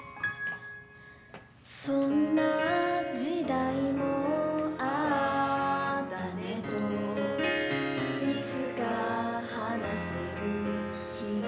「そんな時代もあったねといつか話せる日がくるわ」